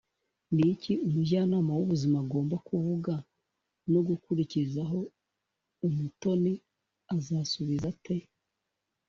ni iki umujyanama w ubuzima agomba kuvuga no gukurikizaho umutoni azasubiza ate